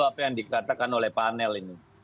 apa yang dikatakan oleh panel ini